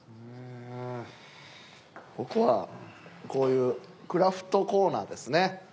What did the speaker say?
ここはこういうクラフトコーナーですね。